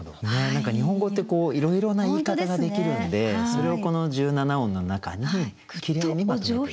何か日本語っていろいろな言い方ができるんでそれをこの１７音の中にきれいにまとめていく。